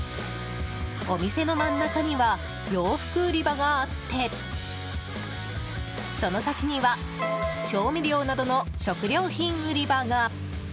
お店の真ん中には洋服売り場があってその先には調味料などの食料品売り場が。